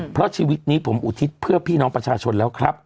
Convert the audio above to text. เพราะชีวิตนี้ผมอุทิศเพื่อพี่น้องประชาชนแล้วครับ